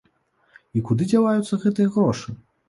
І куды дзяваюцца гэтыя грошы?